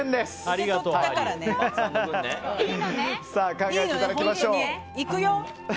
考えていただきましょう。